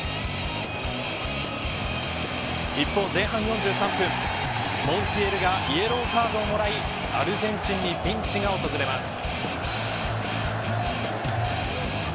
一方、前半４３分モンティエルがイエローカードをもらいアルゼンチンにピンチが訪れます。